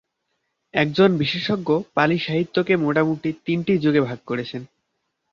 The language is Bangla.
একজন বিশেষজ্ঞ পালি সাহিত্যকে মোটামুটি তিনটি যুগে ভাগ করেছেন।